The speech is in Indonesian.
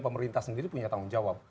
pemerintah sendiri punya tanggung jawab